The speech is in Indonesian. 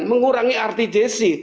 mengurangi arti jesi